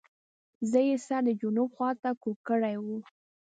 زه یې سر د جنوب خواته کوږ کړی وو.